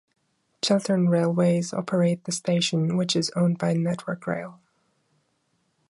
Chiltern Railways operate the station, which is owned by Network Rail.